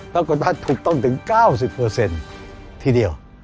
ปรากฏว่าถูกต้องถึง๙๐ทีเดียว